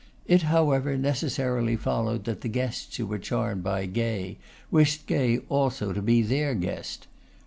It, however, necessarily followed that the guests who were charmed by Gay, wished Gay also to be their guest.